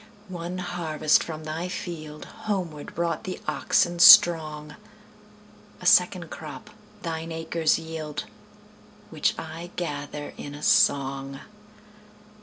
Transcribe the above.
One harvest from thy fieldHomeward brought the oxen strong;A second crop thine acres yield, Which I gather in a song.